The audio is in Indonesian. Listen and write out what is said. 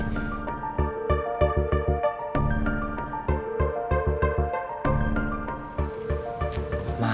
gak bisa dihubungin lagi